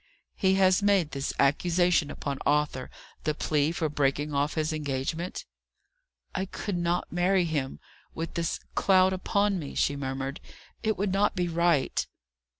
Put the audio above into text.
"He has made this accusation upon Arthur the plea for breaking off his engagement?" "I could not marry him with this cloud upon me," she murmured. "It would not be right."